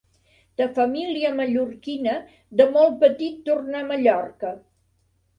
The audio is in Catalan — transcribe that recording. De família mallorquina, de molt petit tornà a Mallorca.